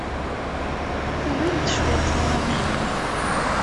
Tewwim-d cwiṭ n waman.